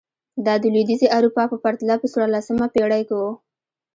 دا د لوېدیځې اروپا په پرتله په څوارلسمه پېړۍ کې و.